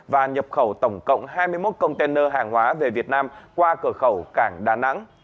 và nhập khẩu tổng cộng hai mươi một container hàng hóa về việt nam qua cửa khẩu cảng đà nẵng